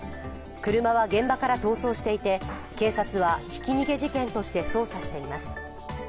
車は現場から逃走していて警察はひき逃げ事件として捜査しています。